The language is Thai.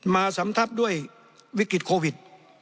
มาสำทับด้วยวิกฤตโควิด